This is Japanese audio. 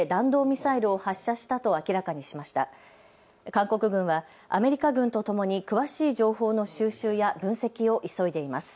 韓国軍はアメリカ軍とともに詳しい情報の収集や分析を急いでいます。